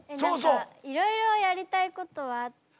何かいろいろやりたいことはあって。